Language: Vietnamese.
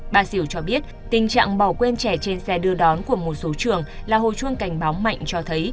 bà diểu cho biết tình trạng bỏ quên trẻ trên xe đưa đón của một số trường là hồi chuông cảnh báo mạnh cho thấy